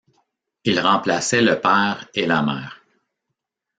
Il remplaçait le père, et la mère.